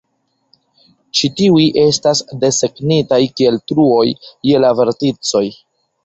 Ĉi tiuj estas desegnitaj kiel "truoj" je la verticoj.